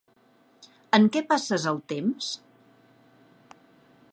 En què passes el temps?